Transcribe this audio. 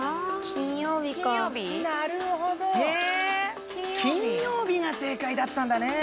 金曜日が正解だったんだね。